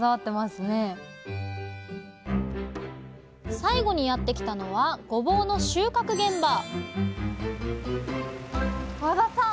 最後にやってきたのはごぼうの収穫現場和田さん！